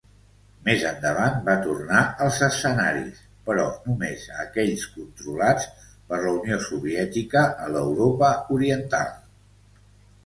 Més endavant va tornar als escenaris però només a aquells controlats per la Unió Soviètica a l'Europa oriental.